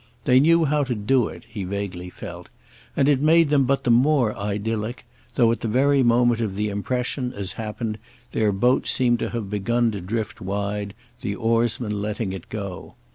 They knew how to do it, he vaguely felt—and it made them but the more idyllic, though at the very moment of the impression, as happened, their boat seemed to have begun to drift wide, the oarsman letting it go.